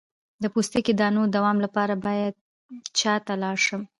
د پوستکي د دانو د دوام لپاره باید چا ته لاړ شم؟